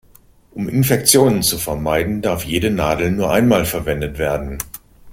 Um Infektionen zu vermeiden, darf jede Nadel nur einmal verwendet werden.